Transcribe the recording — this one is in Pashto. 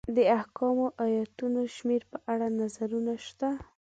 د احکامو ایتونو شمېر په اړه نظرونه شته.